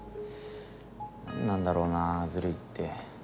何なんだろうなずるいって。